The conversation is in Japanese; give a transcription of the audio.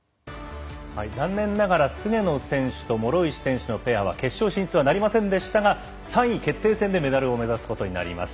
残念ながら菅野選手と諸石選手のペアは決勝進出はなりませんでしたが３位決定戦でメダルを目指すことになります。